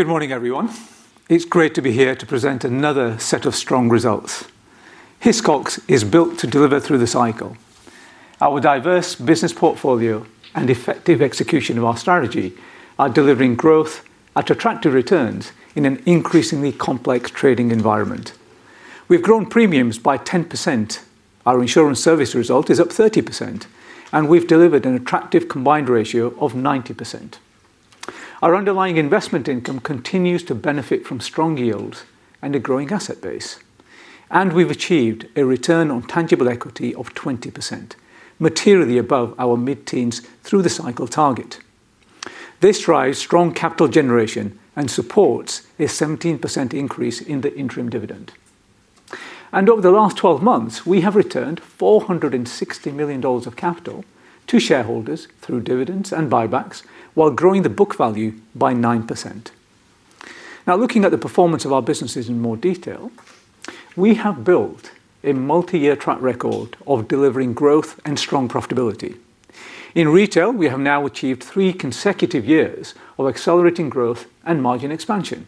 Good morning, everyone. It's great to be here to present another set of strong results. Hiscox is built to deliver through the cycle. Our diverse business portfolio and effective execution of our strategy are delivering growth at attractive returns in an increasingly complex trading environment. We've grown premiums by 10%, our insurance service result is up 30%, and we've delivered an attractive combined ratio of 90%. Our underlying investment income continues to benefit from strong yield and a growing asset base, and we've achieved a return on tangible equity of 20%, materially above our mid-teens through the cycle target. This drives strong capital generation and supports a 17% increase in the interim dividend. Over the last 12 months, we have returned GBP 460 million of capital to shareholders through dividends and buybacks while growing the book value by 9%. Looking at the performance of our businesses in more detail, we have built a multi-year track record of delivering growth and strong profitability. In Retail, we have now achieved three consecutive years of accelerating growth and margin expansion.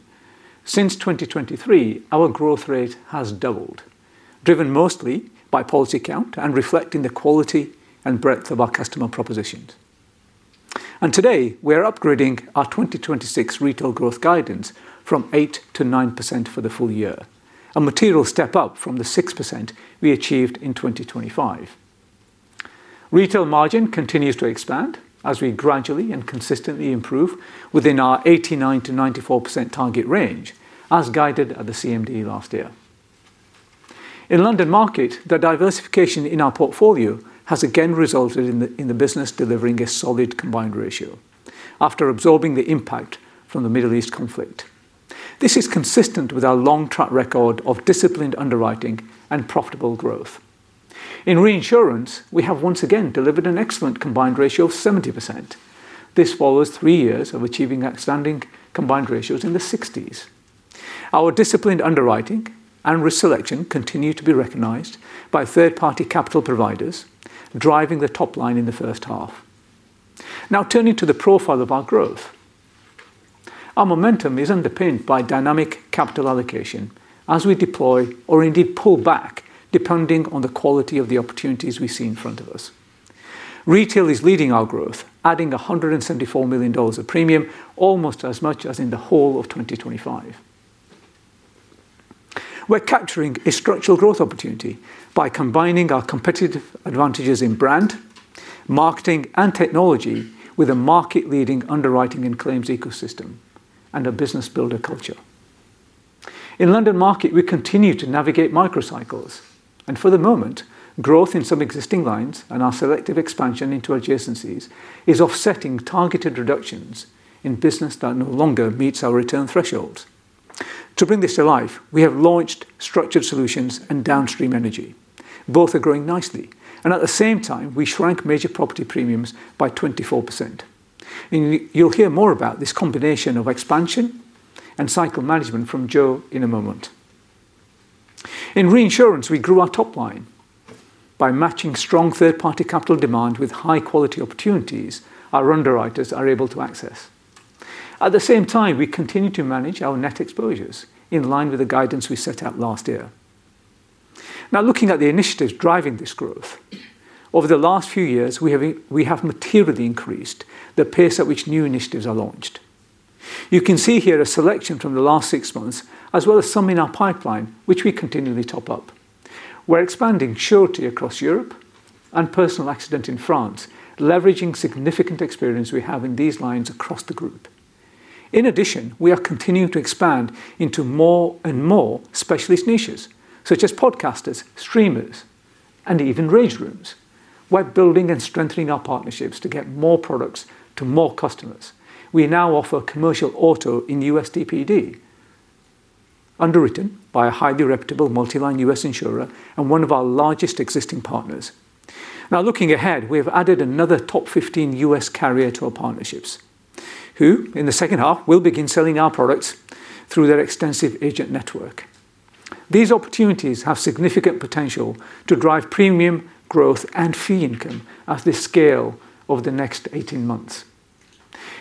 Since 2023, our growth rate has doubled, driven mostly by policy count and reflecting the quality and breadth of our customer propositions. Today, we are upgrading our 2026 Retail growth guidance from 8%-9% for the full year, a material step up from the 6% we achieved in 2025. Retail margin continues to expand as we gradually and consistently improve within our 89%-94% target range, as guided at the CMD last year. In London Market, the diversification in our portfolio has again resulted in the business delivering a solid combined ratio after absorbing the impact from the Middle East conflict. This is consistent with our long track record of disciplined underwriting and profitable growth. In Reinsurance, we have once again delivered an excellent combined ratio of 70%. This follows three years of achieving outstanding combined ratios in the 60s. Our disciplined underwriting and risk selection continue to be recognized by third-party capital providers, driving the top line in the first half. Turning to the profile of our growth. Our momentum is underpinned by dynamic capital allocation as we deploy or indeed pull back, depending on the quality of the opportunities we see in front of us. Retail is leading our growth, adding GBP 174 million of premium, almost as much as in the whole of 2025. We're capturing a structural growth opportunity by combining our competitive advantages in brand, marketing, and technology with a market-leading underwriting and claims ecosystem and a business builder culture. In London Market, we continue to navigate microcycles and for the moment, growth in some existing lines and our selective expansion into adjacencies is offsetting targeted reductions in business that no longer meets our return thresholds. To bring this to life, we have launched structured solutions and downstream energy. Both are growing nicely and at the same time, we shrank major property premiums by 24%. You'll hear more about this combination of expansion and cycle management from Jo in a moment. In Reinsurance, we grew our top line by matching strong third-party capital demand with high-quality opportunities our underwriters are able to access. At the same time, we continue to manage our net exposures in line with the guidance we set out last year. Looking at the initiatives driving this growth. Over the last few years, we have materially increased the pace at which new initiatives are launched. You can see here a selection from the last six months, as well as some in our pipeline, which we continually top up. We're expanding surety across Europe and personal accident in France, leveraging significant experience we have in these lines across the group. In addition, we are continuing to expand into more and more specialist niches, such as podcasters, streamers, and even rage rooms. We're building and strengthening our partnerships to get more products to more customers. We now offer commercial auto in U.S. DPD, underwritten by a highly reputable multi-line U.S. insurer and one of our largest existing partners. Looking ahead, we have added another top 15 U.S. carrier to our partnerships who, in the second half, will begin selling our products through their extensive agent network. These opportunities have significant potential to drive premium growth and fee income at this scale over the next 18 months.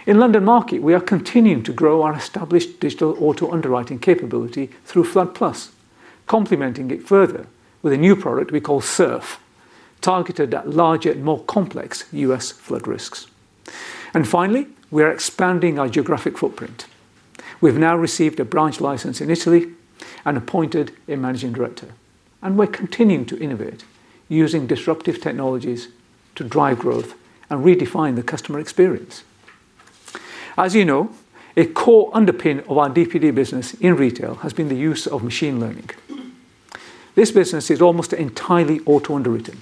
In London Market, we are continuing to grow our established digital automated underwriting capability through Flood+, complementing it further with a new product we call SURF, targeted at larger and more complex U.S. flood risks. Finally, we are expanding our geographic footprint. We've now received a branch license in Italy and appointed a managing director. We're continuing to innovate using disruptive technologies to drive growth and redefine the customer experience. As you know, a core underpin of our DPD business in retail has been the use of machine learning. This business is almost entirely automated underwriting,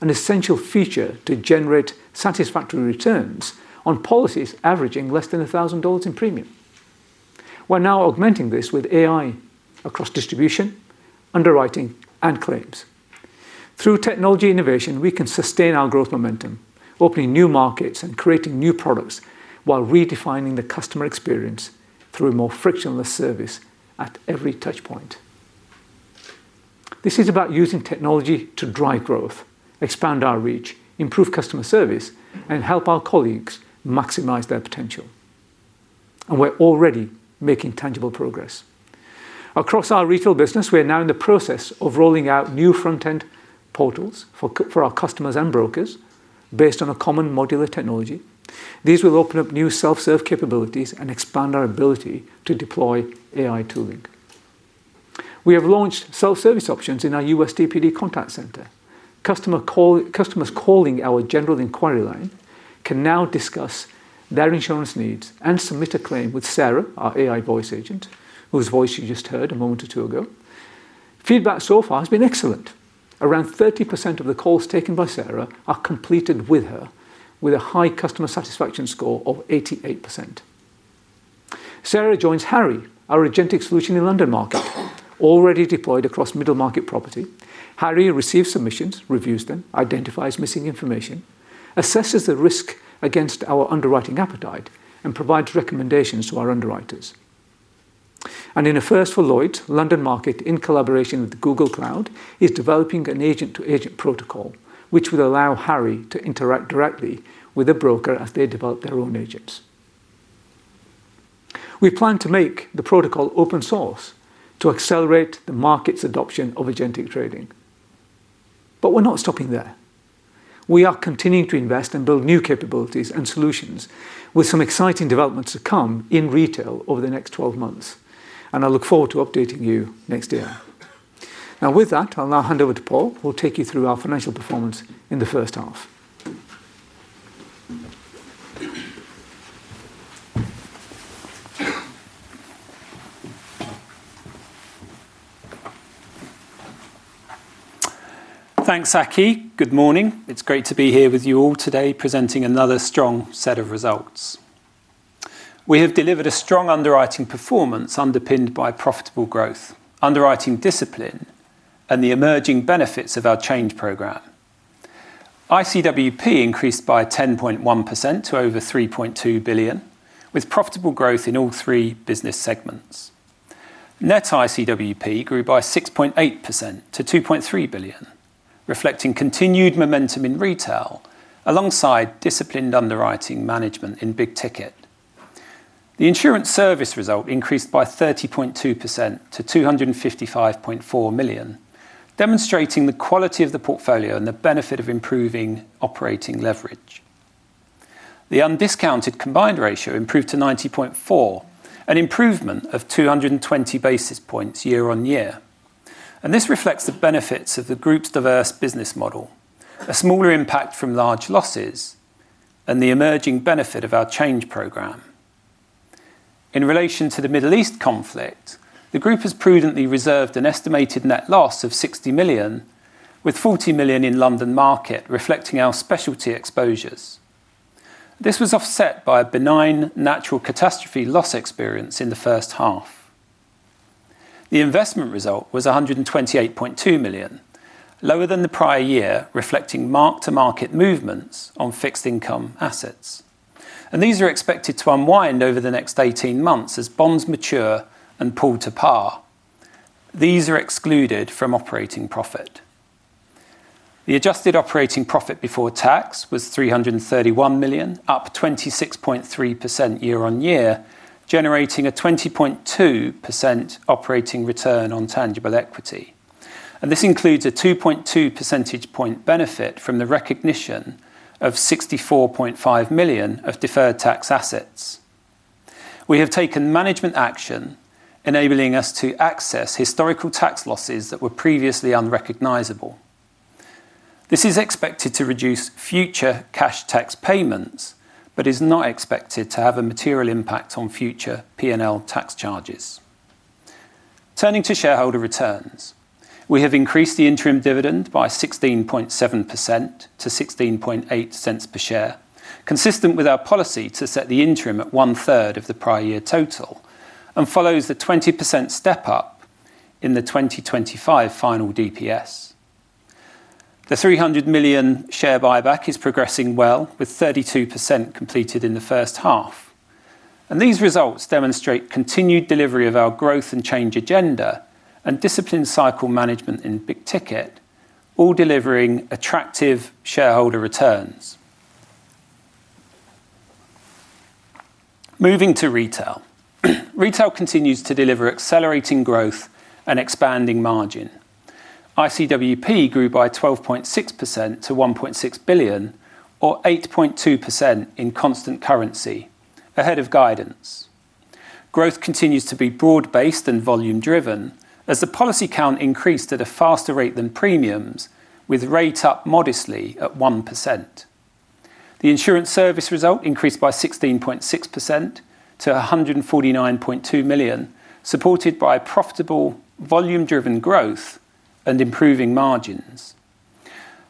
an essential feature to generate satisfactory returns on policies averaging less than $1,000 in premium. We're now augmenting this with AI across distribution, underwriting, and claims. Through technology innovation, we can sustain our growth momentum, opening new markets and creating new products while redefining the customer experience through a more frictionless service at every touchpoint. This is about using technology to drive growth, expand our reach, improve customer service, and help our colleagues maximize their potential. We're already making tangible progress. Across our retail business, we are now in the process of rolling out new front-end portals for our customers and brokers based on a common modular technology. These will open up new self-serve capabilities and expand our ability to deploy AI tooling. We have launched self-service options in our U.S. DPD contact center. Customers calling our general inquiry line can now discuss their insurance needs and submit a claim with Sarah, our AI voice agent, whose voice you just heard a moment or two ago. Feedback so far has been excellent. Around 30% of the calls taken by Sarah are completed with her, with a high customer satisfaction score of 88%. Sarah joins Harry, our agentic solution in London Market, already deployed across middle market property. Harry receives submissions, reviews them, identifies missing information, assesses the risk against our underwriting appetite, and provides recommendations to our underwriters. In a first for Lloyd's, London Market, in collaboration with Google Cloud, is developing an agent-to-agent protocol, which will allow Harry to interact directly with a broker as they develop their own agents. We plan to make the protocol open source to accelerate the market's adoption of agentic trading. We're not stopping there. We are continuing to invest and build new capabilities and solutions with some exciting developments to come in retail over the next 12 months, and I look forward to updating you next year. With that, I'll now hand over to Paul, who will take you through our financial performance in the first half. Thanks, Aki. Good morning. It's great to be here with you all today, presenting another strong set of results. We have delivered a strong underwriting performance underpinned by profitable growth, underwriting discipline, and the emerging benefits of our change program. ICWP increased by 10.1% to over 3.2 billion, with profitable growth in all three business segments. Net ICWP grew by 6.8% to 2.3 billion, reflecting continued momentum in Retail alongside disciplined underwriting management in big ticket. The insurance service result increased by 30.2% to 255.4 million, demonstrating the quality of the portfolio and the benefit of improving operating leverage. The undiscounted combined ratio improved to 90.4%, an improvement of 220 basis points year-on-year. This reflects the benefits of the group's diverse business model, a smaller impact from large losses, and the emerging benefit of our change program. In relation to the Middle East conflict, the group has prudently reserved an estimated net loss of 60 million, with 40 million in London Market reflecting our specialty exposures. This was offset by a benign natural catastrophe loss experience in the first half. The investment result was 128.2 million, lower than the prior year, reflecting mark-to-market movements on fixed income assets. These are expected to unwind over the next 18 months as bonds mature and pull to par. These are excluded from operating profit. The adjusted operating profit before tax was 331 million, up 26.3% year-on-year, generating a 20.2% operating return on tangible equity. This includes a 2.2 percentage point benefit from the recognition of 64.5 million of deferred tax assets. We have taken management action enabling us to access historical tax losses that were previously unrecognizable. This is expected to reduce future cash tax payments, but is not expected to have a material impact on future P&L tax charges. Turning to shareholder returns, we have increased the interim dividend by 16.7% to 0.168 per share, consistent with our policy to set the interim at one-third of the prior year total, and follows the 20% step-up in the 2025 final DPS. The 300 million share buyback is progressing well, with 32% completed in the first half. These results demonstrate continued delivery of our growth and change agenda and disciplined cycle management in big ticket, all delivering attractive shareholder returns. Moving to Retail. Retail continues to deliver accelerating growth and expanding margin. ICWP grew by 12.6% to 1.6 billion or 8.2% in constant currency, ahead of guidance. Growth continues to be broad-based and volume-driven as the policy count increased at a faster rate than premiums, with rate up modestly at 1%. The insurance service result increased by 16.6% to 149.2 million, supported by profitable volume-driven growth and improving margins.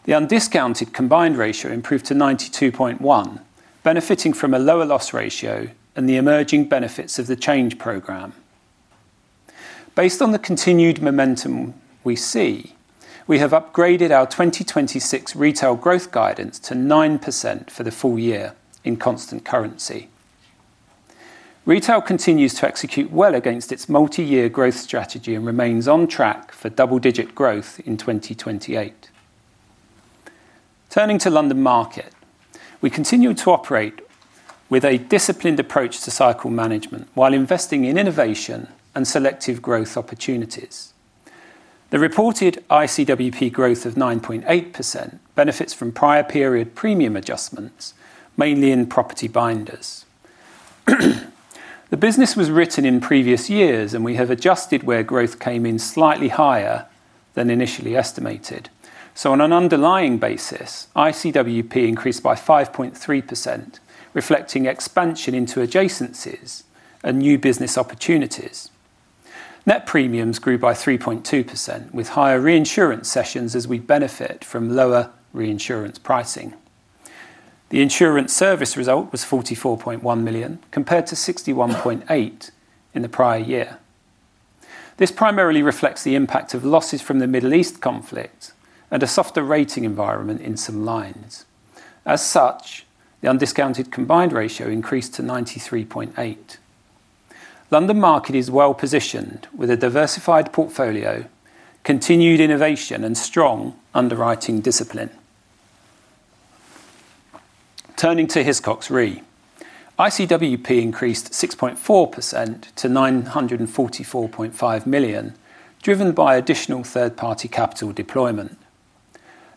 The undiscounted combined ratio improved to 92.1%, benefiting from a lower loss ratio and the emerging benefits of the change program. Based on the continued momentum we see, we have upgraded our 2026 Retail growth guidance to 9% for the full year in constant currency. Retail continues to execute well against its multi-year growth strategy and remains on track for double-digit growth in 2028. Turning to Hiscox London Market, we continue to operate with a disciplined approach to cycle management while investing in innovation and selective growth opportunities. The reported ICWP growth of 9.8% benefits from prior period premium adjustments, mainly in property binders. The business was written in previous years, we have adjusted where growth came in slightly higher than initially estimated. On an underlying basis, ICWP increased by 5.3%, reflecting expansion into adjacencies and new business opportunities. Net premiums grew by 3.2%, with higher reinsurance cessions as we benefit from lower reinsurance pricing. The insurance service result was 44.1 million, compared to 61.8 million in the prior year. This primarily reflects the impact of losses from the Middle East conflict and a softer rating environment in some lines. As such, the undiscounted combined ratio increased to 93.8%. Hiscox London Market is well-positioned, with a diversified portfolio, continued innovation, and strong underwriting discipline. Turning to Hiscox Re. ICWP increased 6.4% to 944.5 million, driven by additional third-party capital deployment.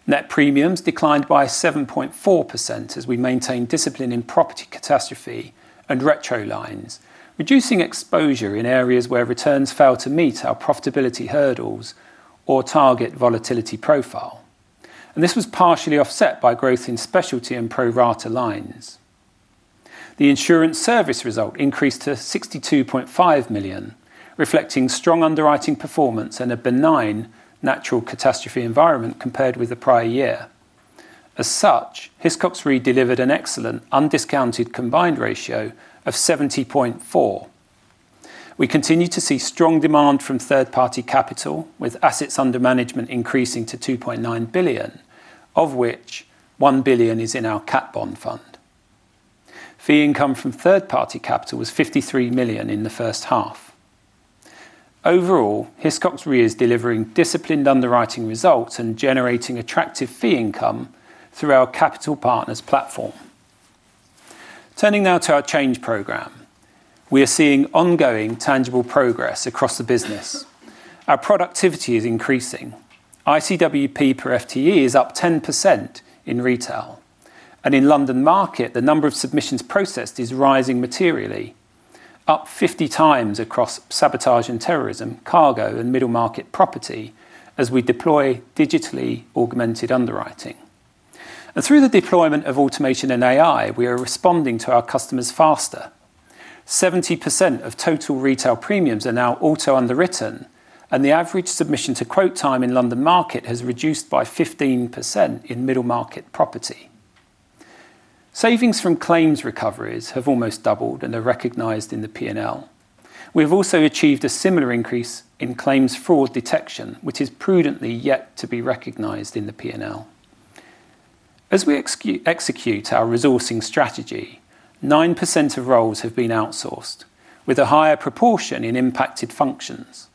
Net premiums declined by 7.4% as we maintain discipline in property catastrophe and retro lines, reducing exposure in areas where returns fail to meet our profitability hurdles or target volatility profile. This was partially offset by growth in specialty and pro rata lines. The insurance service result increased to 62.5 million, reflecting strong underwriting performance and a benign natural catastrophe environment compared with the prior year. As such, Hiscox Re delivered an excellent undiscounted combined ratio of 70.4%. We continue to see strong demand from third-party capital, with assets under management increasing to 2.9 billion, of which 1 billion is in our cat bond fund. Fee income from third-party capital was 53 million in the first half. Overall, Hiscox Re is delivering disciplined underwriting results and generating attractive fee income through our Hiscox Capital Partners platform. Turning to our change program. We are seeing ongoing tangible progress across the business. Our productivity is increasing. ICWP per FTE is up 10% in Hiscox Retail. In Hiscox London Market, the number of submissions processed is rising materially, up 50x across sabotage and terrorism, cargo, and middle market property as we deploy digitally augmented underwriting. Through the deployment of automation and AI, we are responding to our customers faster. 70% of total Hiscox Retail premiums are now auto underwritten, and the average submission to quote time in Hiscox London Market has reduced by 15% in middle market property. Savings from claims recoveries have almost doubled and are recognized in the P&L. We have also achieved a similar increase in claims fraud detection, which is prudently yet to be recognized in the P&L. As we execute our resourcing strategy, 9% of roles have been outsourced with a higher proportion in impacted functions.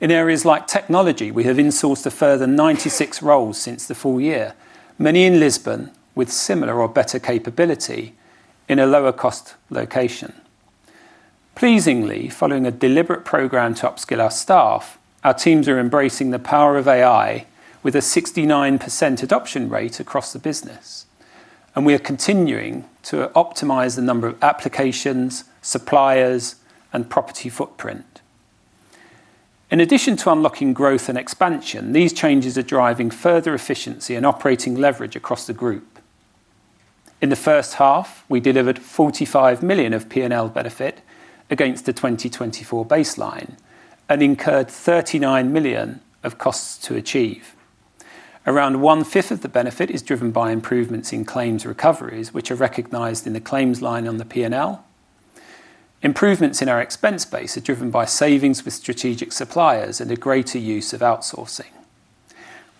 In areas like technology, we have insourced a further 96 roles since the full year, many in Lisbon with similar or better capability in a lower cost location. Pleasingly, following a deliberate program to upskill our staff, our teams are embracing the power of AI with a 69% adoption rate across the business, and we are continuing to optimize the number of applications, suppliers, and property footprint. In addition to unlocking growth and expansion, these changes are driving further efficiency and operating leverage across the group. In the first half, we delivered 45 million of P&L benefit against the 2024 baseline and incurred 39 million of costs to achieve. Around one-fifth of the benefit is driven by improvements in claims recoveries, which are recognized in the claims line on the P&L. Improvements in our expense base are driven by savings with strategic suppliers and a greater use of outsourcing.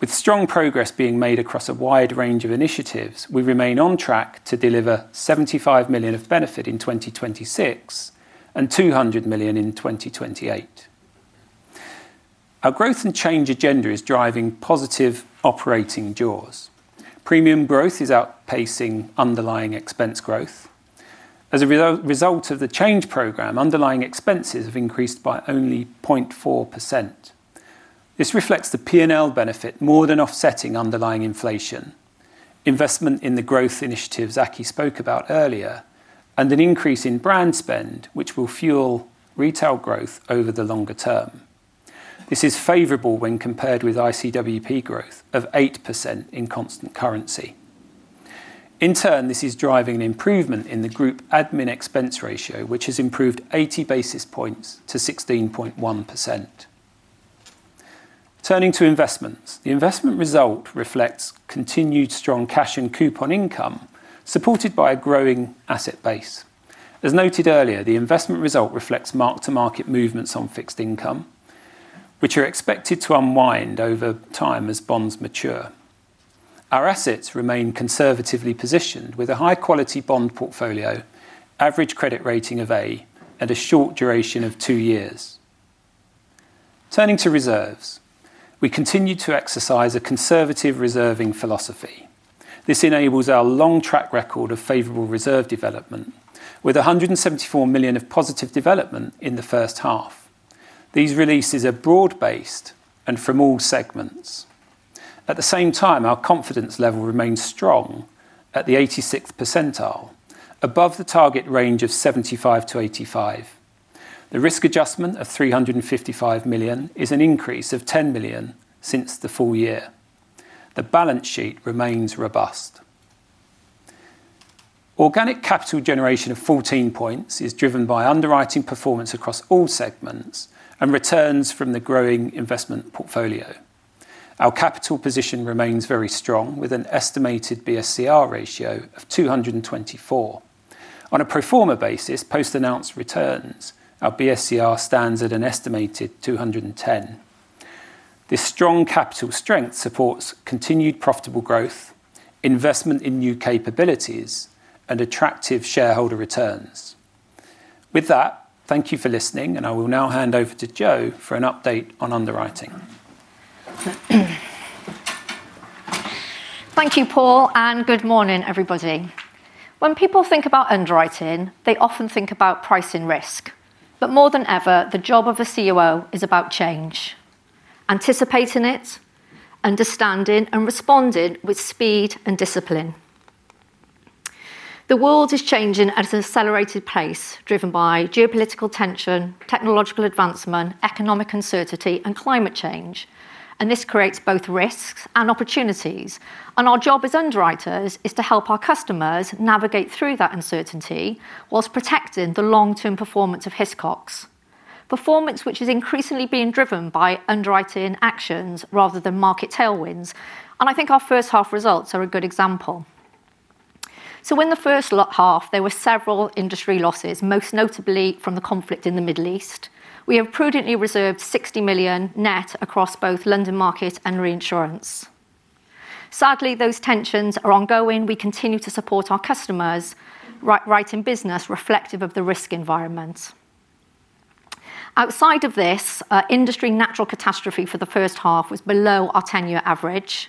With strong progress being made across a wide range of initiatives, we remain on track to deliver 75 million of benefit in 2026 and 200 million in 2028. Our growth and change agenda is driving positive operating jaws. Premium growth is outpacing underlying expense growth. As a result of the change program, underlying expenses have increased by only 0.4%. This reflects the P&L benefit more than offsetting underlying inflation. Investment in the growth initiatives Aki spoke about earlier, and an increase in brand spend, which will fuel retail growth over the longer term. This is favorable when compared with ICWP growth of 8% in constant currency. In turn, this is driving an improvement in the group admin expense ratio, which has improved 80 basis points to 16.1%. Turning to investments. The investment result reflects continued strong cash and coupon income, supported by a growing asset base. As noted earlier, the investment result reflects mark-to-market movements on fixed income, which are expected to unwind over time as bonds mature. Our assets remain conservatively positioned with a high-quality bond portfolio, average credit rating of A, and a short duration of two years. Turning to reserves, we continue to exercise a conservative reserving philosophy. This enables our long track record of favorable reserve development with 174 million of positive development in the first half. These releases are broad-based and from all segments. At the same time, our confidence level remains strong at the 86th percentile, above the target range of 75-85. The risk adjustment of 355 million is an increase of 10 million since the full year. The balance sheet remains robust. Organic capital generation of 14 points is driven by underwriting performance across all segments and returns from the growing investment portfolio. Our capital position remains very strong, with an estimated BSCR ratio of 224. On a pro forma basis, post-announced returns, our BSCR stands at an estimated 210. This strong capital strength supports continued profitable growth, investment in new capabilities, and attractive shareholder returns. With that, thank you for listening, and I will now hand over to Jo for an update on underwriting. Thank you, Paul, and good morning, everybody. When people think about underwriting, they often think about pricing risk. More than ever, the job of a CUO is about change, anticipating it, understanding, and responding with speed and discipline. The world is changing at an accelerated pace, driven by geopolitical tension, technological advancement, economic uncertainty, and climate change. This creates both risks and opportunities. Our job as underwriters is to help our customers navigate through that uncertainty whilst protecting the long-term performance of Hiscox. Performance which is increasingly being driven by underwriting actions rather than market tailwinds, and I think our first half results are a good example. In the first half, there were several industry losses, most notably from the conflict in the Middle East. We have prudently reserved 60 million net across both Hiscox London Market and reinsurance. Sadly, those tensions are ongoing. We continue to support our customers, writing business reflective of the risk environment. Outside of this, industry natural catastrophe for the first half was below our 10-year average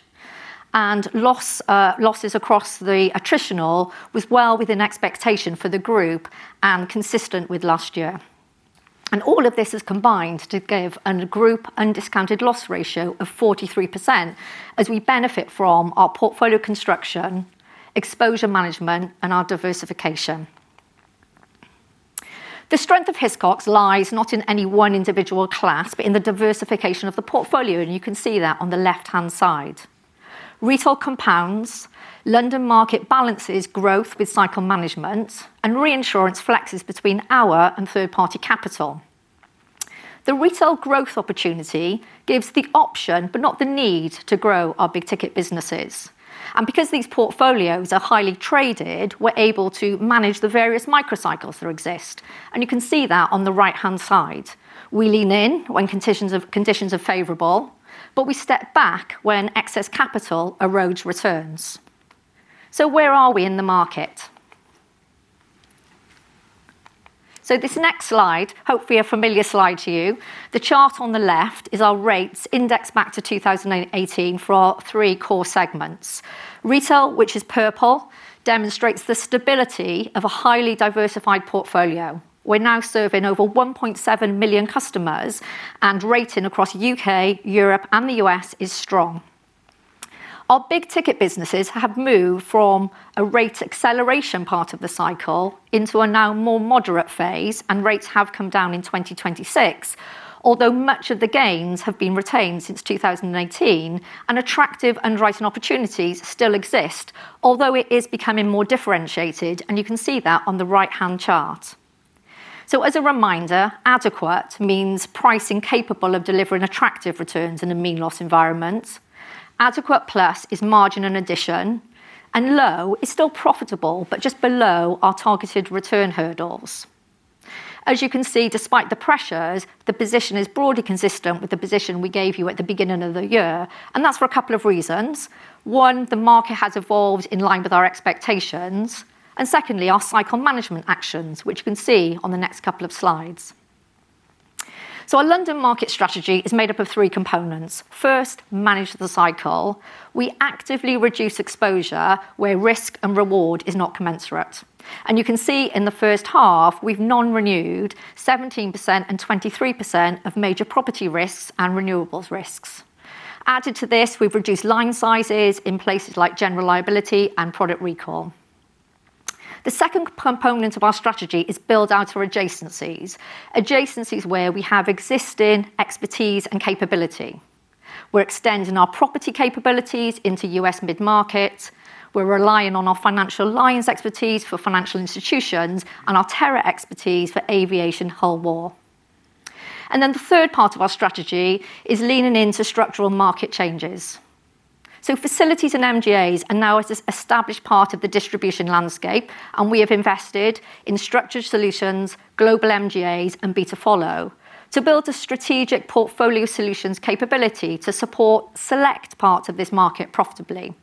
and losses across the attritional was well within expectation for the group and consistent with last year. All of this has combined to give a group undiscounted loss ratio of 43% as we benefit from our portfolio construction, exposure management, and our diversification. The strength of Hiscox lies not in any one individual class, but in the diversification of the portfolio, and you can see that on the left-hand side. Hiscox Retail compounds, Hiscox London Market balances growth with cycle management, and reinsurance flexes between our and third-party capital. The Hiscox Retail growth opportunity gives the option, but not the need, to grow our big-ticket businesses. Because these portfolios are highly traded, we're able to manage the various microcycles that exist, and you can see that on the right-hand side. We lean in when conditions are favorable, but we step back when excess capital erodes returns. Where are we in the market? This next slide, hopefully a familiar slide to you. The chart on the left is our rates index back to 2018 for our three core segments. Hiscox Retail, which is purple, demonstrates the stability of a highly diversified portfolio. We're now serving over 1.7 million customers and rating across U.K., Europe, and the U.S. is strong. Our big ticket businesses have moved from a rate acceleration part of the cycle into a now more moderate phase, and rates have come down in 2026. Although much of the gains have been retained since 2019, and attractive underwriting opportunities still exist, although it is becoming more differentiated, and you can see that on the right-hand chart. As a reminder, adequate means pricing capable of delivering attractive returns in a mean loss environment. Adequate plus is margin and addition, and low is still profitable, but just below our targeted return hurdles. As you can see, despite the pressures, the position is broadly consistent with the position we gave you at the beginning of the year, and that's for a couple of reasons. One, the market has evolved in line with our expectations. Secondly, our cycle management actions, which you can see on the next couple of slides. Our Hiscox London Market strategy is made up of three components. First, manage the cycle. We actively reduce exposure where risk and reward is not commensurate. You can see in the first half, we have non-renewed 17% and 23% of major property risks and renewables risks. Added to this, we have reduced line sizes in places like general liability and product recall. The second component of our strategy is build out our adjacencies. Adjacencies where we have existing expertise and capability. We are extending our property capabilities into U.S. mid-markets. We are relying on our financial alliance expertise for financial lines and our terror expertise for Aviation Hull War. The third part of our strategy is leaning into structural market changes. Facilities and MGAs are now an established part of the distribution landscape, and we have invested in structured solutions, global MGAs, and B2Follow to build a strategic Portfolio Solutions capability to support select parts of this market profitably.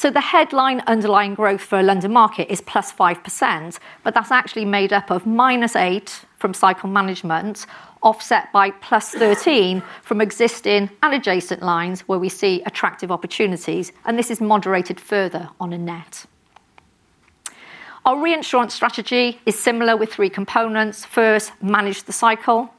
The headline underlying growth for our London Market is +5%, but that is actually made up of -8% from cycle management, offset by +13% from existing and adjacent lines where we see attractive opportunities, and this is moderated further on a net. Our reinsurance strategy is similar with three components. First, manage the cycle.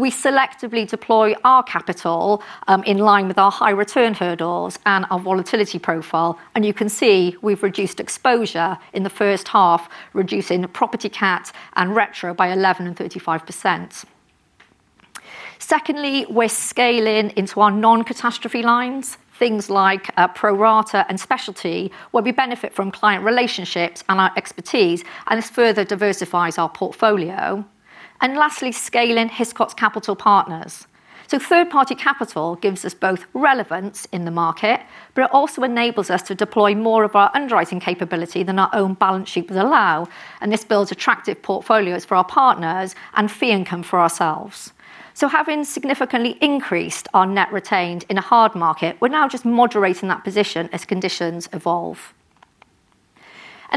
We selectively deploy our capital in line with our high return hurdles and our volatility profile. You can see we have reduced exposure in the first half, reducing property CAT and retro by 11% and 35%. Secondly, we're scaling into our non-catastrophe lines, things like pro rata and specialty, where we benefit from client relationships and our expertise, and this further diversifies our portfolio. Lastly, scaling Hiscox Capital Partners. Third-party capital gives us both relevance in the market, but it also enables us to deploy more of our underwriting capability than our own balance sheets allow, and this builds attractive portfolios for our partners and fee income for ourselves. Having significantly increased our net retained in a hard market, we are now just moderating that position as conditions evolve.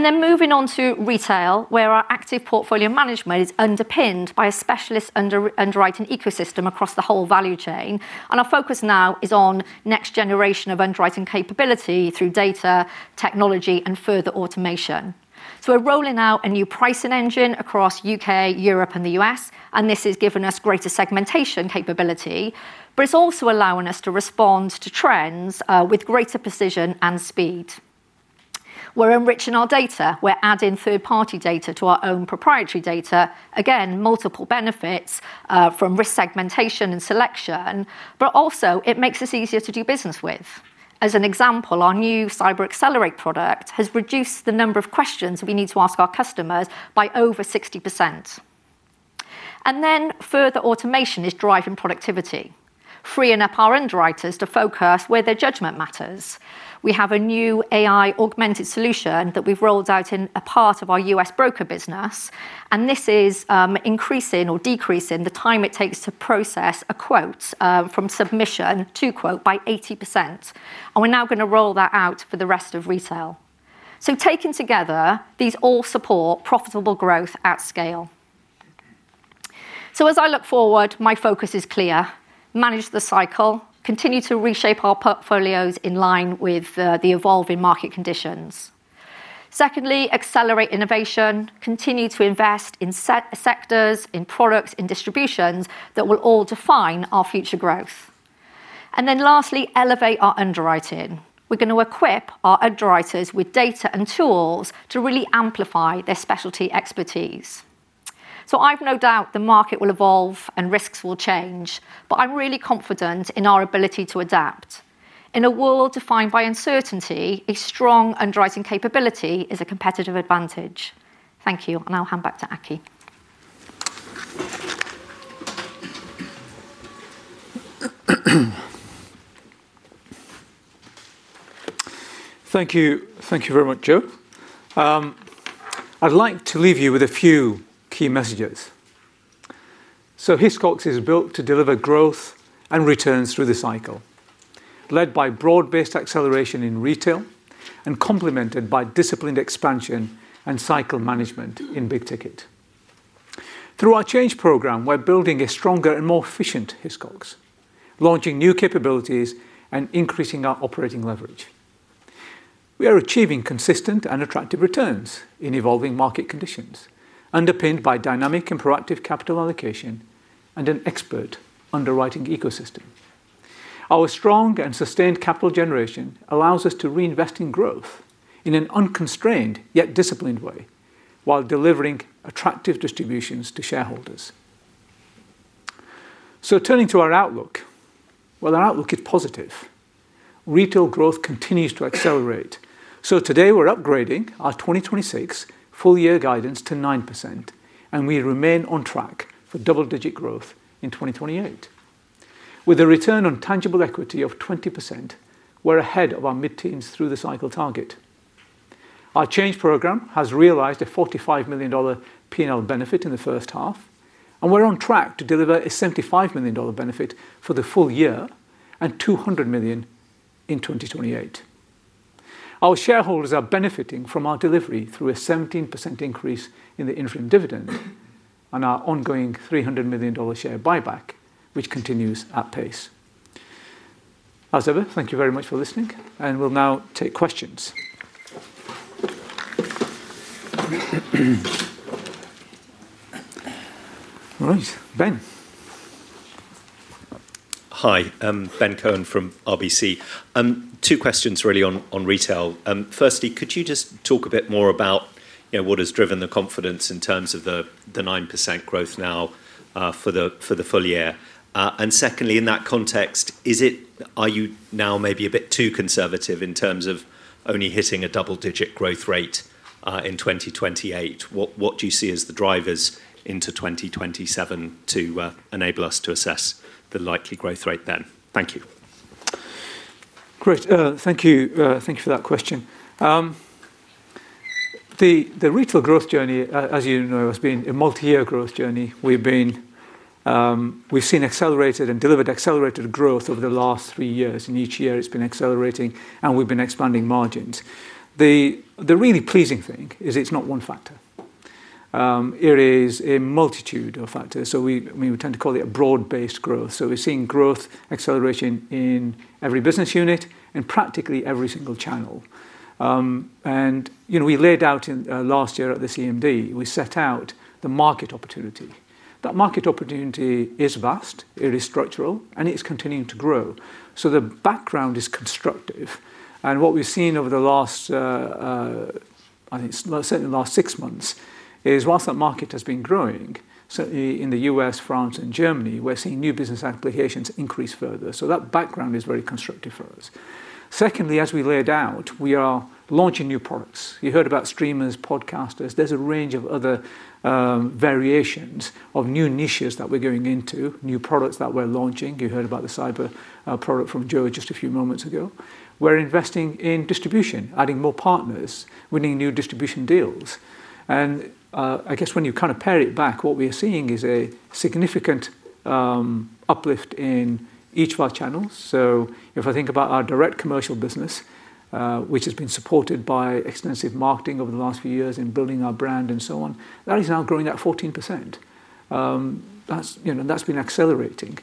Moving on to retail, where our active portfolio management is underpinned by a specialist underwriting ecosystem across the whole value chain. Our focus now is on next generation of underwriting capability through data, technology, and further automation. We are rolling out a new pricing engine across U.K., Europe, and the U.S., and this has given us greater segmentation capability, but it is also allowing us to respond to trends with greater precision and speed. We are enriching our data. We are adding third-party data to our own proprietary data. Multiple benefits from risk segmentation and selection, but it also makes us easier to do business with. As an example, our new Cyber Accelerate product has reduced the number of questions we need to ask our customers by over 60%. Further automation is driving productivity, freeing up our underwriters to focus where their judgment matters. We have a new AI augmented solution that we have rolled out in a part of our U.S. broker business, and this is increasing or decreasing the time it takes to process a quote from submission to quote by 80%, and we're now going to roll that out for the rest of retail. Taken together, these all support profitable growth at scale. As I look forward, my focus is clear. Manage the cycle, continue to reshape our portfolios in line with the evolving market conditions. Secondly, accelerate innovation, continue to invest in sectors, in products, in distributions that will all define our future growth. Lastly, elevate our underwriting. We're going to equip our underwriters with data and tools to really amplify their specialty expertise. I've no doubt the market will evolve and risks will change, but I'm really confident in our ability to adapt. In a world defined by uncertainty, a strong underwriting capability is a competitive advantage. Thank you, and I'll hand back to Aki. Thank you. Thank you very much, Jo. I'd like to leave you with a few key messages. Hiscox is built to deliver growth and returns through the cycle, led by broad-based acceleration in retail and complemented by disciplined expansion and cycle management in big ticket. Through our change program, we're building a stronger and more efficient Hiscox, launching new capabilities and increasing our operating leverage. We are achieving consistent and attractive returns in evolving market conditions, underpinned by dynamic and proactive capital allocation and an expert underwriting ecosystem. Our strong and sustained capital generation allows us to reinvest in growth in an unconstrained yet disciplined way while delivering attractive distributions to shareholders. Turning to our outlook. Well, our outlook is positive. Retail growth continues to accelerate. Today we're upgrading our 2026 full year guidance to 9%, and we remain on track for double-digit growth in 2028. With a return on tangible equity of 20%, we're ahead of our mid-teens through the cycle target. Our change program has realized a GBP 45 million P&L benefit in the first half, and we're on track to deliver a GBP 75 million benefit for the full year and 200 million in 2028. Our shareholders are benefiting from our delivery through a 17% increase in the interim dividend on our ongoing GBP 300 million share buyback, which continues at pace. As ever, thank you very much for listening and we'll now take questions. All right, Ben. Hi. Ben Cohen from RBC. Two questions really on retail. Firstly, could you just talk a bit more about what has driven the confidence in terms of the 9% growth now for the full year? Secondly, in that context, are you now maybe a bit too conservative in terms of only hitting a double-digit growth rate, in 2028? What do you see as the drivers into 2027 to enable us to assess the likely growth rate then? Thank you. Great. Thank you. Thank you for that question. The retail growth journey, as you know, has been a multi-year growth journey. We've seen accelerated and delivered accelerated growth over the last three years, and each year it's been accelerating and we've been expanding margins. The really pleasing thing is it's not one factor. It is a multitude of factors. We tend to call it a broad-based growth. We're seeing growth acceleration in every business unit, in practically every single channel. We laid out last year at the CMD, we set out the market opportunity. That market opportunity is vast, it is structural, and it's continuing to grow. The background is constructive, and what we've seen over the last, I think certainly the last six months is whilst that market has been growing, certainly in the U.S., France, and Germany, we're seeing new business applications increase further. That background is very constructive for us. Secondly, as we laid out, we are launching new products. You heard about streamers, podcasters. There's a range of other variations of new niches that we're going into, new products that we're launching. You heard about the cyber product from Jo just a few moments ago. We're investing in distribution, adding more partners, winning new distribution deals. I guess when you pare it back, what we are seeing is a significant uplift in each of our channels. If I think about our direct commercial business, which has been supported by extensive marketing over the last few years in building our brand and so on, that is now growing at 14%. That's been accelerating.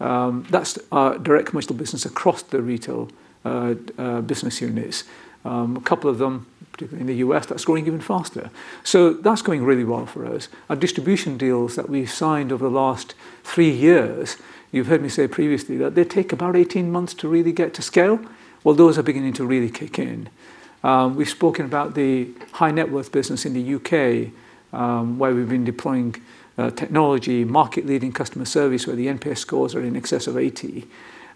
That's our direct commercial business across the retail business units. A couple of them, particularly in the U.S., that's growing even faster. That's going really well for us. Our distribution deals that we signed over the last three years, you've heard me say previously that they take about 18 months to really get to scale. Well, those are beginning to really kick in. We've spoken about the high net worth business in the U.K., where we've been deploying technology, market leading customer service, where the NPS scores are in excess of 80.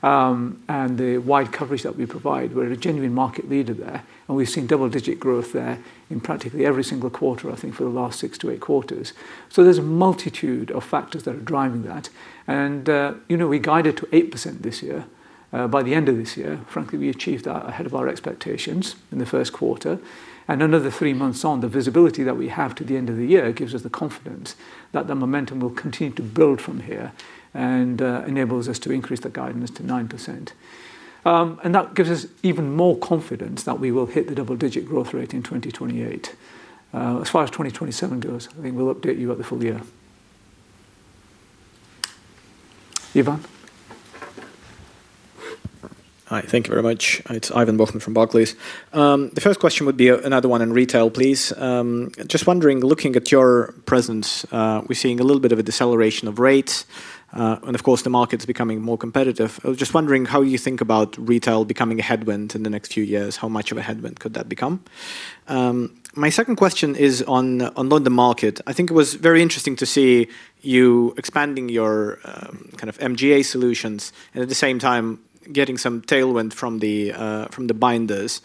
The wide coverage that we provide, we're a genuine market leader there, and we've seen double digit growth there in practically every single quarter, I think for the last six to eight quarters. There's a multitude of factors that are driving that. We guided to 8% this year. By the end of this year, frankly, we achieved that ahead of our expectations in the first quarter. Another three months on, the visibility that we have to the end of the year gives us the confidence that the momentum will continue to build from here and enables us to increase the guidance to 9%. That gives us even more confidence that we will hit the double-digit growth rate in 2028. As far as 2027 goes, I think we'll update you at the full year. Ivan. Hi, thank you very much. It's Ivan Bokhmat from Barclays. The first question would be another one in retail, please. Just wondering, looking at your presence, we're seeing a little bit of a deceleration of rates. Of course, the market's becoming more competitive. I was just wondering how you think about retail becoming a headwind in the next few years. How much of a headwind could that become? My second question is on London market. I think it was very interesting to see you expanding your kind of MGA solutions and at the same time getting some tailwind from the binders,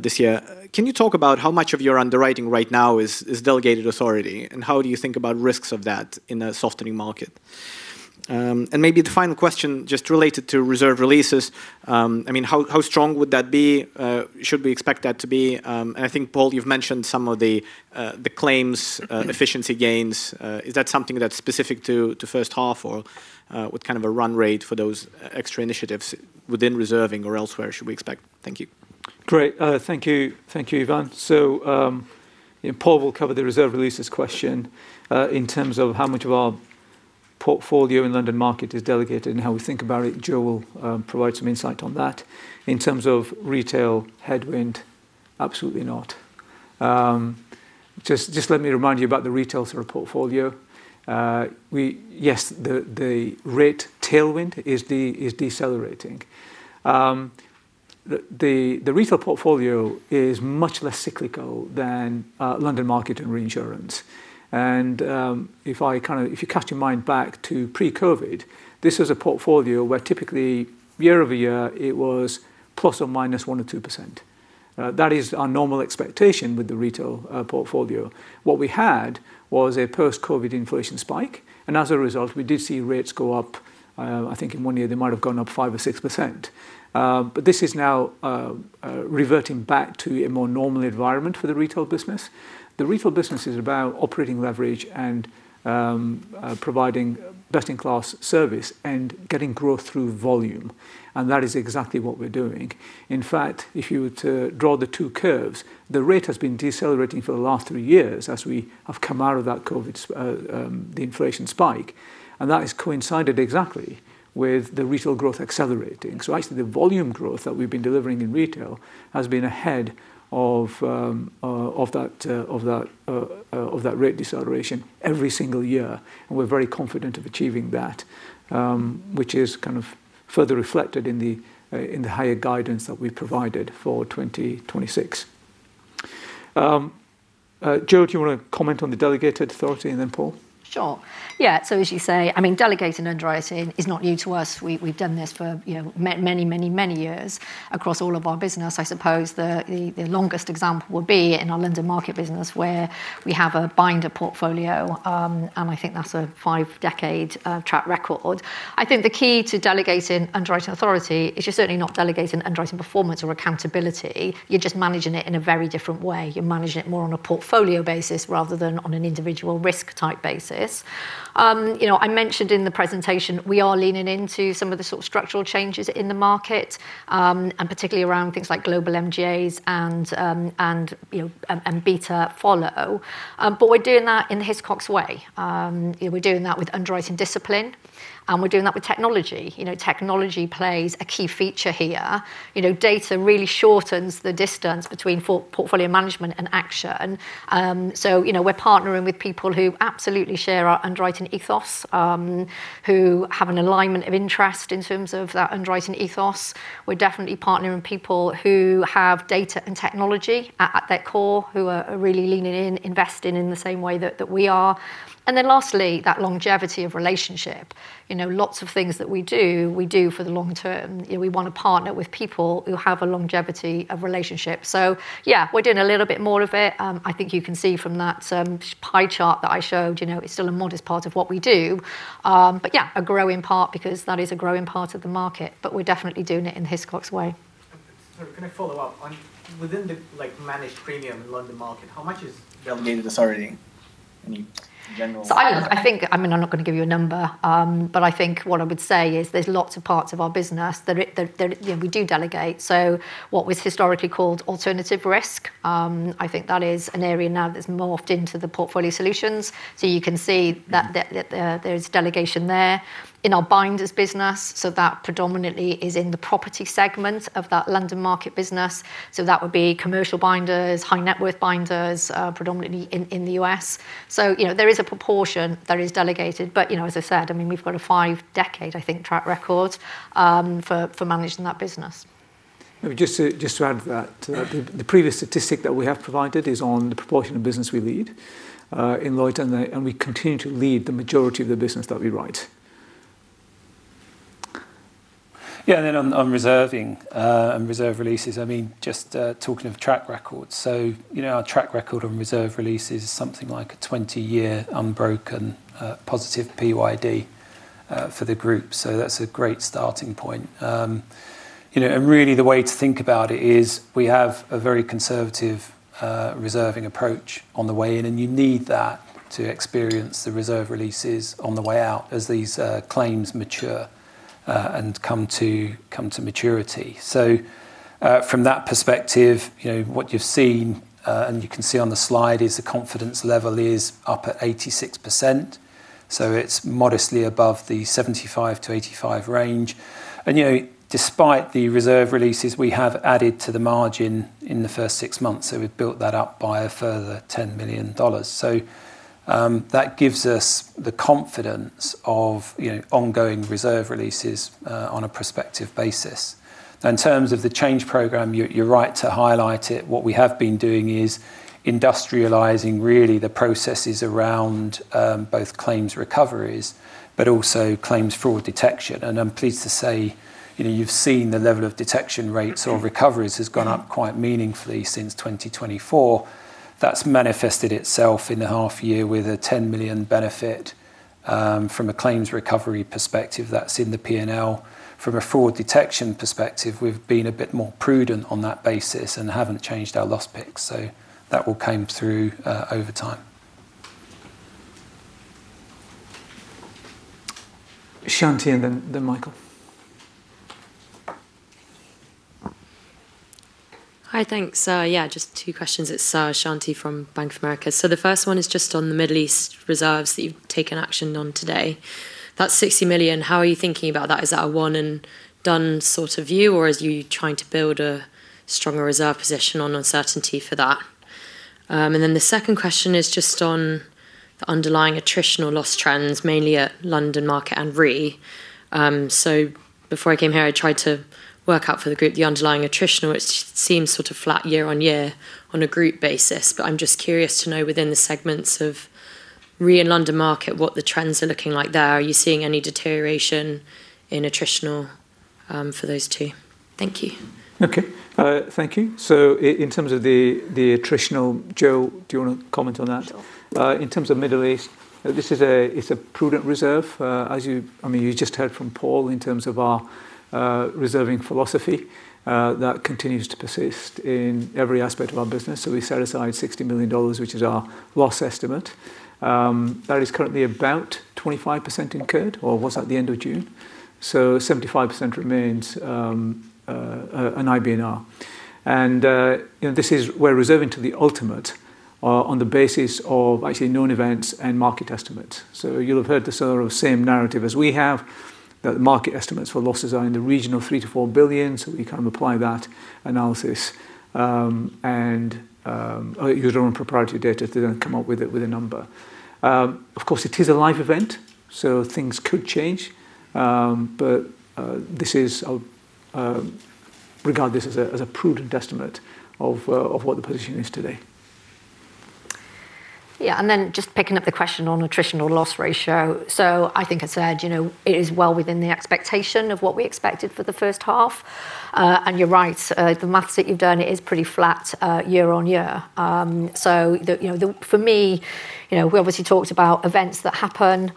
this year. Can you talk about how much of your underwriting right now is delegated authority, and how do you think about risks of that in a softening market? Maybe the final question just related to reserve releases. How strong would that be? Should we expect that to be I think, Paul, you've mentioned some of the claims efficiency gains. Is that something that's specific to the first half or what kind of a run rate for those extra initiatives within reserving or elsewhere should we expect? Thank you. Great. Thank you, Ivan. Paul will cover the reserve releases question. In terms of how much of our portfolio in London market is delegated and how we think about it, Jo will provide some insight on that. In terms of retail headwind, absolutely not. Just let me remind you about the retail sort of portfolio. Yes, the rate tailwind is decelerating. The retail portfolio is much less cyclical than London market and reinsurance. If you cast your mind back to pre-COVID, this was a portfolio where typically year-over-year it was plus or minus 1%-2%. That is our normal expectation with the retail portfolio. What we had was a post-COVID inflation spike. As a result, we did see rates go up. I think in one year they might have gone up 5% or 6%. This is now reverting back to a more normal environment for the retail business. The retail business is about operating leverage and providing best-in-class service and getting growth through volume. That is exactly what we're doing. In fact, if you were to draw the two curves, the rate has been decelerating for the last three years as we have come out of that COVID the inflation spike. That has coincided exactly with the retail growth accelerating. Actually, the volume growth that we've been delivering in retail has been ahead of that rate deceleration every single year. We're very confident of achieving that, which is kind of further reflected in the higher guidance that we've provided for 2026. Jo, do you want to comment on the delegated authority and then Paul? Sure. As you say, delegating underwriting is not new to us. We've done this for many years across all of our business. I suppose the longest example would be in our Hiscox London Market business, where we have a binder portfolio, I think that's a five-decade track record. I think the key to delegating underwriting authority is you're certainly not delegating underwriting performance or accountability. You're just managing it in a very different way. You're managing it more on a portfolio basis rather than on an individual risk type basis. I mentioned in the presentation, we are leaning into some of the sort of structural changes in the market, particularly around things like global MGAs and B2Follow. We're doing that in the Hiscox way. We're doing that with underwriting discipline, and we're doing that with technology. Technology plays a key feature here. Data really shortens the distance between portfolio management and action. We're partnering with people who absolutely share our underwriting ethos, who have an alignment of interest in terms of that underwriting ethos. We're definitely partnering with people who have data and technology at their core, who are really leaning in, investing in the same way that we are. Lastly, that longevity of relationship. Lots of things that we do, we do for the long term. We want to partner with people who have a longevity of relationship. We're doing a little bit more of it. I think you can see from that pie chart that I showed, it's still a modest part of what we do. A growing part because that is a growing part of the market, but we're definitely doing it in Hiscox way. Sorry, can I follow up? Within the managed premium in Hiscox London Market, how much is delegated authority in general? I'm not going to give you a number, there's lots of parts of our business that we do delegate. What was historically called alternative risk, I think that is an area now that's morphed into the portfolio solutions. You can see that there is delegation there. In our binders business, that predominantly is in the property segment of that Hiscox London Market business. That would be commercial binders, high net worth binders, predominantly in the U.S. There is a proportion that is delegated, but as I said, we've got a five-decade, I think, track record for managing that business. Maybe just to add to that. The previous statistic that we have provided is on the proportion of business we lead in Lloyd's, and we continue to lead the majority of the business that we write. On reserving and reserve releases, just talking of track records. Our track record on reserve releases is something like a 20-year unbroken positive PYD for the group. That's a great starting point. Really the way to think about it is we have a very conservative reserving approach on the way in, and you need that to experience the reserve releases on the way out as these claims mature and come to maturity. From that perspective, what you've seen, and you can see on the slide, is the confidence level is up at 86%, so it's modestly above the 75%-85% range. Despite the reserve releases, we have added to the margin in the first six months. We've built that up by a further GBP 10 million. That gives us the confidence of ongoing reserve releases on a prospective basis. In terms of the change program, you're right to highlight it. What we have been doing is industrializing, really, the processes around both claims recoveries but also claims fraud detection. I'm pleased to say, you've seen the level of detection rates or recoveries has gone up quite meaningfully since 2024. That's manifested itself in the half year with a 10 million benefit from a claims recovery perspective, that's in the P&L. From a fraud detection perspective, we've been a bit more prudent on that basis and haven't changed our loss picks. That will come through over time. Shanti and then Michael. Hi. Thanks. Yeah, just two questions. It's Shanti from Bank of America. The first one is just on the Middle East reserves that you've taken action on today. That 60 million, how are you thinking about that? Is that a one and done sort of view, or is you trying to build a stronger reserve position on uncertainty for that? The second question is just on the underlying attritional loss trends, mainly at London Market and Re. Before I came here, I tried to work out for the group the underlying attritional, which seems sort of flat year-on-year on a group basis. I'm just curious to know within the segments of Re and London Market, what the trends are looking like there. Are you seeing any deterioration in attritional for those two? Thank you. Okay. Thank you. In terms of the attritional, Jo, do you want to comment on that? Sure. In terms of Middle East, this is a prudent reserve. You just heard from Paul in terms of our reserving philosophy, that continues to persist in every aspect of our business. We set aside GBP 60 million, which is our loss estimate. That is currently about 25% incurred, or was at the end of June. 75% remains an IBNR. This is we're reserving to the ultimate on the basis of actually known events and market estimates. You'll have heard the sort of same narrative as we have, that the market estimates for losses are in the region of 3 billion-4 billion, so we kind of apply that analysis, and use our own proprietary data to then come up with a number. Of course, it is a live event, so things could change. Regard this as a prudent estimate of what the position is today. Yeah. Just picking up the question on attritional loss ratio. I think I said, it is well within the expectation of what we expected for the first half. You're right, the maths that you've done is pretty flat year-on-year. For me, we obviously talked about events that happen.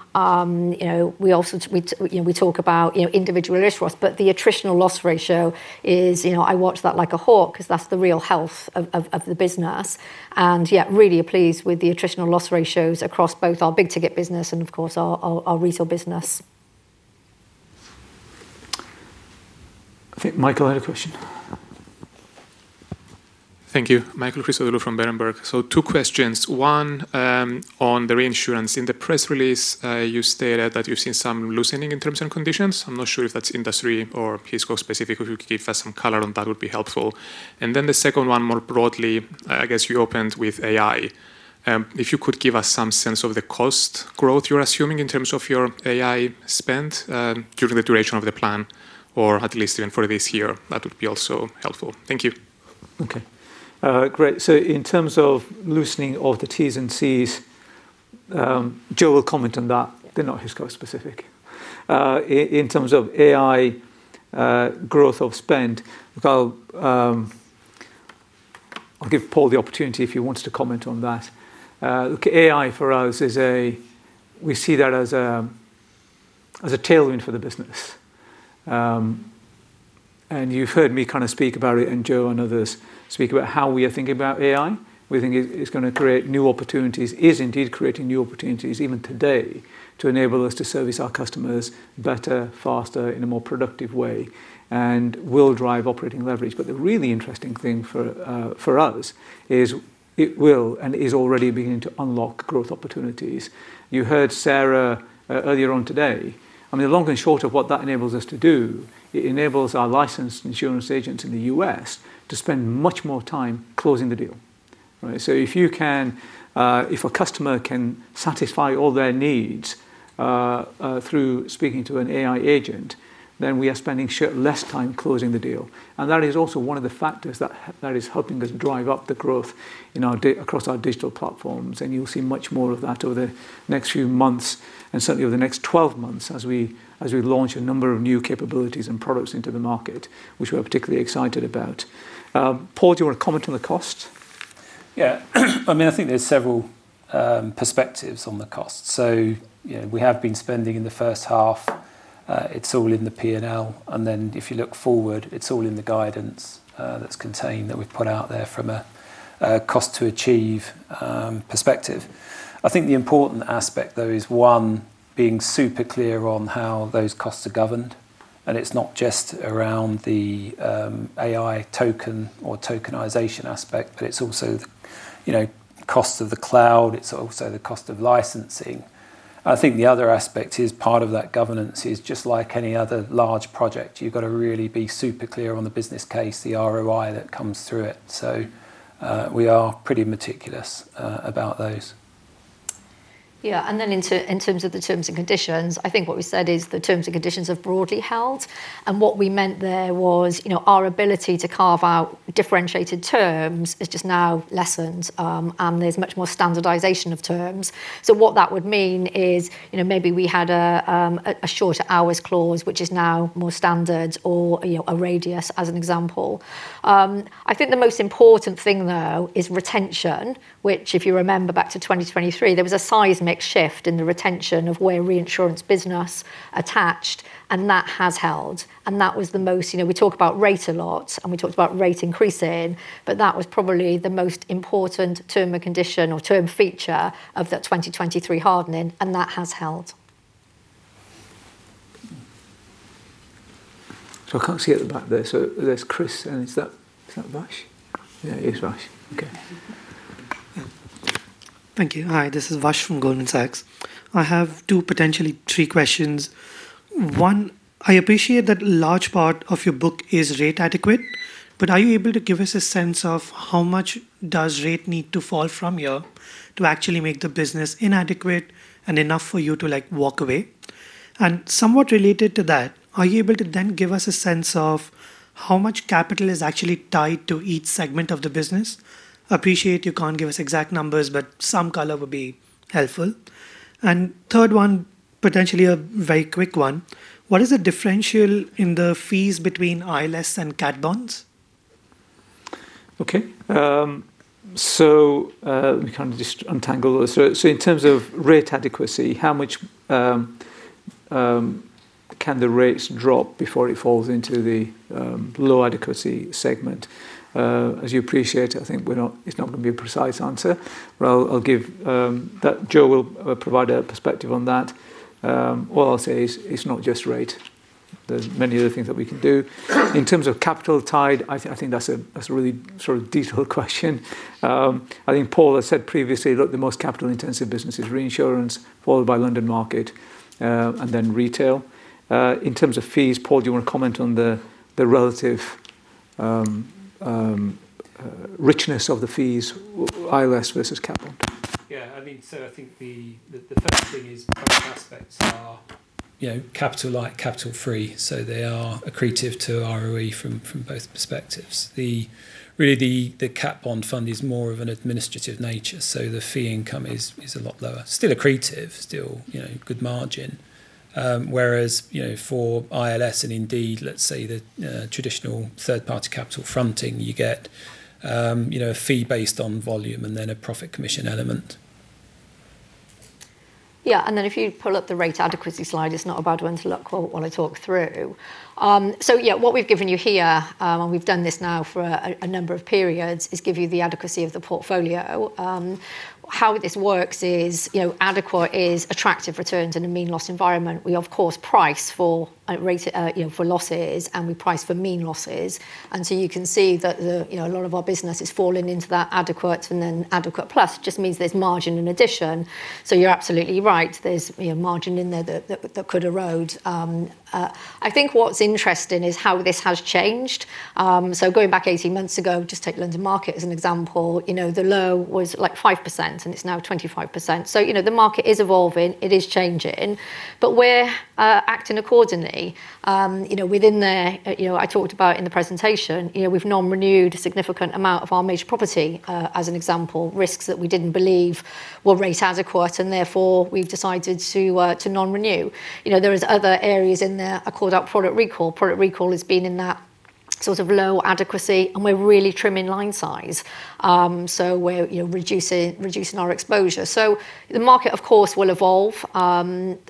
We talk about individual issue risks, but the attritional loss ratio is, I watch that like a hawk because that's the real health of the business. Really pleased with the attritional loss ratios across both our big ticket business and of course, our retail business. I think Michael had a question. Thank you. Michael Christodoulou from Berenberg. Two questions. One on the reinsurance. In the press release, you stated that you've seen some loosening in terms and conditions. I'm not sure if that's industry or Hiscox specific. If you could give us some color on that, would be helpful. The second one more broadly, I guess you opened with AI. If you could give us some sense of the cost growth you're assuming in terms of your AI spend during the duration of the plan, or at least even for this year, that would be also helpful. Thank you. Okay. Great. In terms of loosening of the T's and C's, Jo will comment on that. They're not Hiscox specific. In terms of AI growth of spend, I'll give Paul the opportunity if he wants to comment on that. Look, AI for us, we see that as a tailwind for the business. You've heard me kind of speak about it, and Jo and others speak about how we are thinking about AI. We think it's going to create new opportunities, is indeed creating new opportunities even today to enable us to service our customers better, faster, in a more productive way, and will drive operating leverage. The really interesting thing for us is it will and is already beginning to unlock growth opportunities. You heard Sarah earlier on today. The long and short of what that enables us to do, it enables our licensed insurance agents in the U.S. to spend much more time closing the deal. Right? If a customer can satisfy all their needs through speaking to an AI agent, then we are spending less time closing the deal. That is also one of the factors that is helping us drive up the growth across our digital platforms, and you'll see much more of that over the next few months and certainly over the next 12 months as we launch a number of new capabilities and products into the market, which we're particularly excited about. Paul, do you want to comment on the cost? Yeah. I think there are several perspectives on the cost. We have been spending in the first half. It's all in the P&L. Then if you look forward, it's all in the guidance that's contained that we've put out there from a cost to achieve perspective. I think the important aspect, though, is one, being super clear on how those costs are governed. It's not just around the AI token or tokenization aspect, but it's also cost of the cloud. It's also the cost of licensing. I think the other aspect is part of that governance is just like any other large project. You've got to really be super clear on the business case, the ROI that comes through it. We are pretty meticulous about those. Yeah. Then in terms of the terms and conditions, I think what we said is the terms and conditions have broadly held. What we meant there was our ability to carve out differentiated terms is just now lessened, and there's much more standardization of terms. What that would mean is maybe we had a shorter hours clause, which is now more standard or a radius as an example. I think the most important thing, though, is retention, which if you remember back to 2023, there was a seismic shift in the retention of where reinsurance business attached, and that has held. We talk about rate a lot, and we talked about rate increasing, but that was probably the most important term and condition or term feature of that 2023 hardening, and that has held. I can't see at the back there. There's Chris, and is that Vash? Yeah, it is Vash. Okay. Thank you. Hi, this is Vash from Goldman Sachs. I have two, potentially three questions. One, I appreciate that large part of your book is rate-adequate, but are you able to give us a sense of how much does rate need to fall from here to actually make the business inadequate and enough for you to walk away? Somewhat related to that, are you able to give us a sense of how much capital is actually tied to each segment of the business? Appreciate you can't give us exact numbers, but some color would be helpful. Third one, potentially a very quick one. What is the differential in the fees between ILS and cat bonds? Okay. Let me just untangle those. In terms of rate adequacy, how much can the rates drop before it falls into the low adequacy segment? As you appreciate, I think it's not going to be a precise answer. Jo will provide a perspective on that. What I'll say is it's not just rate. There's many other things that we can do. In terms of capital tied, I think that's a really detailed question. I think Paul has said previously, look, the most capital-intensive business is reinsurance, followed by London Market, and then retail. In terms of fees, Paul, do you want to comment on the relative richness of the fees, ILS versus capital? I think the first thing is both aspects are capital-light, capital-free, so they are accretive to ROE from both perspectives. Really, the cat bond fund is more of an administrative nature, the fee income is a lot lower. Still accretive, still good margin. Whereas, for ILS and indeed, let's say, the traditional third-party capital fronting, you get a fee based on volume and then a profit commission element. Yeah. If you pull up the rate adequacy slide, it's not a bad one to look while I talk through. Yeah, what we've given you here, and we've done this now for a number of periods, is give you the adequacy of the portfolio. How this works is adequate is attractive returns in a mean loss environment. We, of course, price for losses, and we price for mean losses. You can see that a lot of our business has fallen into that adequate and then adequate plus. It just means there's margin in addition. You're absolutely right. There's margin in there that could erode. I think what's interesting is how this has changed. Going back 18 months ago, just take London Market as an example, the low was 5%, and it's now 25%. The market is evolving. It is changing. We're acting accordingly. Within there, I talked about in the presentation, we've non-renewed a significant amount of our major property, as an example, risks that we didn't believe were rate adequate and therefore we've decided to non-renew. There are other areas in there I called out product recall. Product recall has been in that sort of low adequacy, and we're really trimming line size. We're reducing our exposure. The market, of course, will evolve.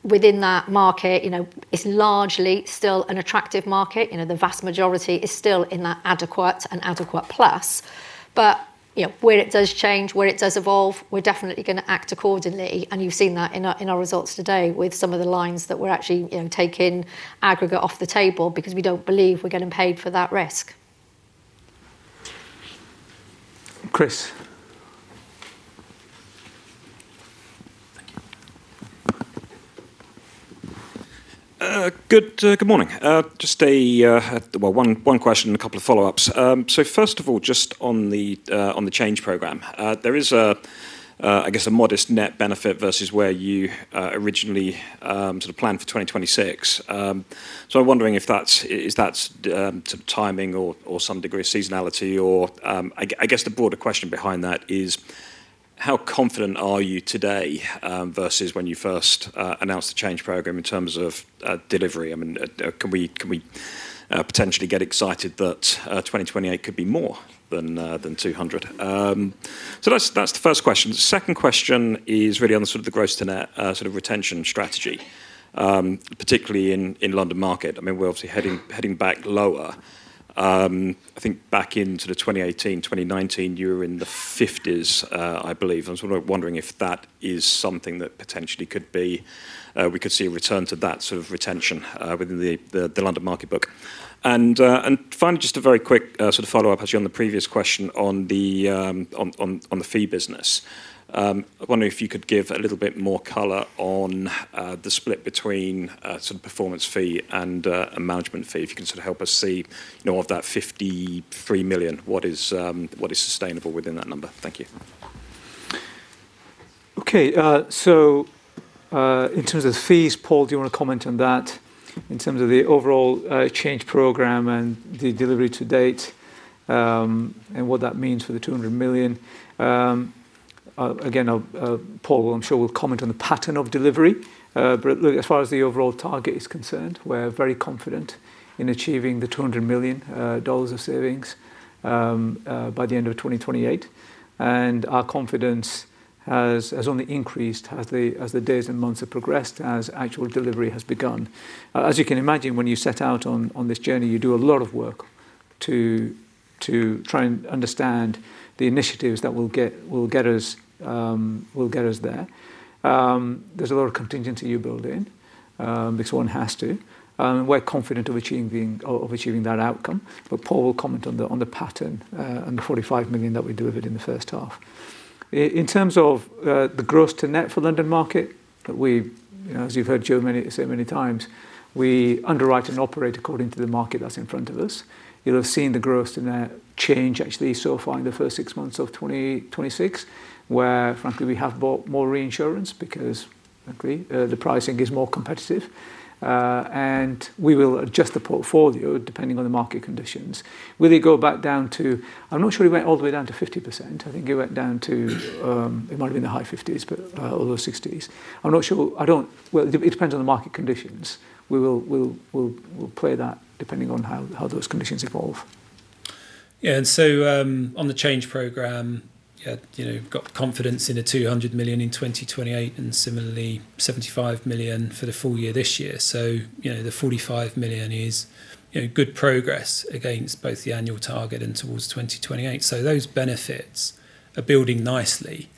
Within that market, it's largely still an attractive market. The vast majority is still in that adequate and adequate plus. Where it does change, where it does evolve, we're definitely going to act accordingly, and you've seen that in our results today with some of the lines that we're actually taking aggregate off the table because we don't believe we're getting paid for that risk. Chris. Thank you. Good morning. Just one question and a couple of follow-ups. First of all, just on the change program. There is a modest net benefit versus where you originally sort of planned for 2026. I'm wondering if that's timing or some degree of seasonality or I guess the broader question behind that is how confident are you today, versus when you first announced the change program in terms of delivery? Can we potentially get excited that 2028 could be more than 200? That's the first question. The second question is really on the sort of the gross to net retention strategy, particularly in London Market. We're obviously heading back lower. I think back into the 2018, 2019, you were in the 50s, I believe. I'm sort of wondering if that is something that potentially we could see a return to that sort of retention within the London Market book. Finally, just a very quick sort of follow-up, actually, on the previous question on the fee business. I wonder if you could give a little bit more color on the split between sort of performance fee and a management fee. If you can sort of help us see of that 53 million, what is sustainable within that number. Thank you. Okay. In terms of fees, Paul, do you want to comment on that in terms of the overall change program and the delivery to date, and what that means for the 200 million? Again, Paul, I'm sure, will comment on the pattern of delivery. Look, as far as the overall target is concerned, we're very confident in achieving the GBP 200 million of savings by the end of 2028, and our confidence has only increased as the days and months have progressed, as actual delivery has begun. As you can imagine, when you set out on this journey, you do a lot of work to try and understand the initiatives that will get us there. There's a lot of contingency you build in, because one has to, and we're confident of achieving that outcome. Paul will comment on the pattern and the 45 million that we delivered in the first half. In terms of the gross to net for Hiscox London Market, as you've heard Jo say many times, we underwrite and operate according to the market that's in front of us. You'll have seen the gross to net change actually so far in the first six months of 2026, where frankly, we have bought more reinsurance because frankly, the pricing is more competitive. We will adjust the portfolio depending on the market conditions. Will it go back down to I'm not sure it went all the way down to 50%. I think it went down to, it might have been the high 50s, or low 60s. I'm not sure. It depends on the market conditions. We'll play that depending on how those conditions evolve. On the change program, got confidence in the 200 million in 2028 and similarly 75 million for the full year this year. The 45 million is good progress against both the annual target and towards 2028. Those benefits are building nicely.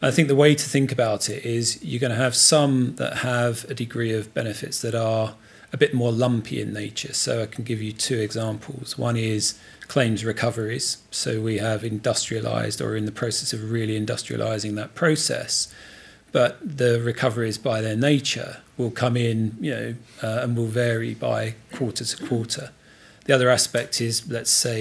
I think the way to think about it is you're going to have some that have a degree of benefits that are a bit more lumpy in nature. I can give you two examples. One is claims recoveries. We have industrialized or are in the process of really industrializing that process. The recoveries by their nature will come in and will vary by quarter-to-quarter. The other aspect is, let's say,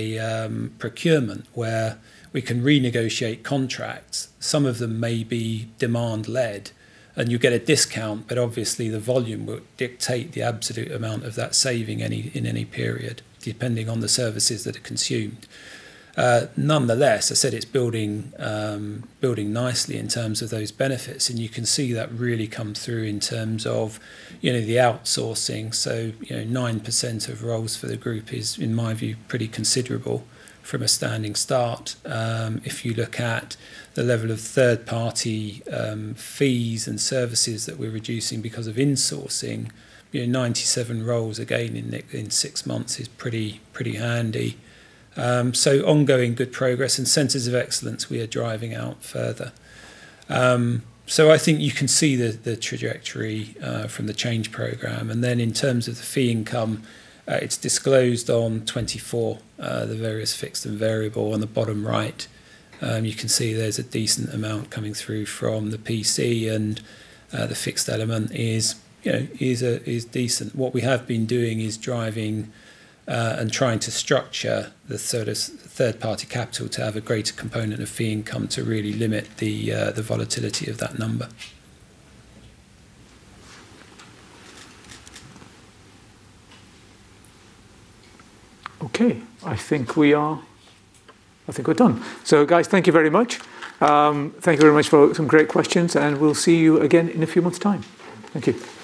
procurement, where we can renegotiate contracts. Some of them may be demand led, and you get a discount, obviously the volume will dictate the absolute amount of that saving in any period, depending on the services that are consumed. Nonetheless, I said it's building nicely in terms of those benefits, and you can see that really come through in terms of the outsourcing. 9% of roles for the group is, in my view, pretty considerable from a standing start. If you look at the level of third-party fees and services that we're reducing because of insourcing, 97 roles, again, in six months is pretty handy. Ongoing good progress, centers of excellence we are driving out further. I think you can see the trajectory from the change program. In terms of the fee income, it's disclosed on 24, the various fixed and variable on the bottom right. You can see there's a decent amount coming through from the PC, the fixed element is decent. What we have been doing is driving and trying to structure the third-party capital to have a greater component of fee income to really limit the volatility of that number. Okay. I think we're done. Guys, thank you very much. Thank you very much for some great questions, and we'll see you again in a few months' time. Thank you.